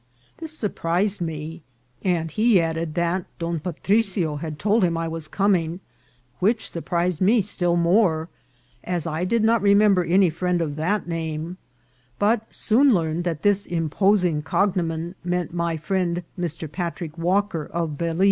This surprised me ; and he added that Don Patricio had VOL. II.— N N 282 INCIDENTS OF TRAVEL. told him I was coming, which surprised me still more, as I did not remember any friend of that name, but soon learned that this imposing cognomen meant my friend Mr. Patrick Walker, of Balize.